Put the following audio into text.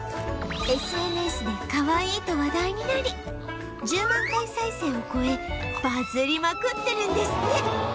ＳＮＳ でかわいいと話題になり１０万回再生を超えバズりまくってるんですって